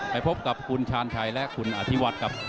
ไปพบกับคุณชาญชัยและคุณอธิวัฒน์ครับ